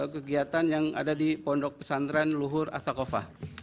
kegiatan yang ada di pondok pesantren luhur asakofah